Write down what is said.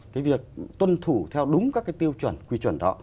cái việc tuân thủ theo đúng các cái tiêu chuẩn quy chuẩn đó